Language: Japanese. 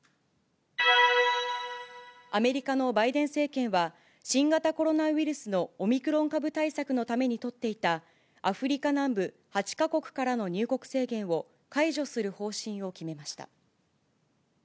アメリカのバイデン政権は、新型コロナウイルスのオミクロン株対策のために取っていた、アフリカ南部８か国からの入国制限を解除する方針を決めました。